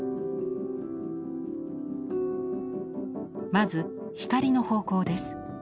まず光の方向です。